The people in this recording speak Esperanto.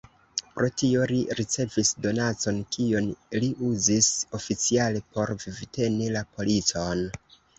Pro tio li ricevis donacon, kion li uzis oficiale por vivteni la policon.